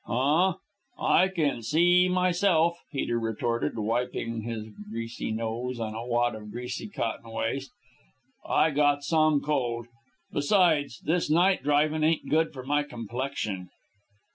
"Huh? I can see myself," Peter retorted, wiping his greasy nose on a wad of greasy cotton waste. "I got some cold. Besides, this night drivin' ain't good for my complexion."